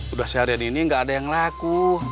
udah seharian ini gak ada yang laku